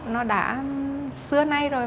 nó đã xưa nay rồi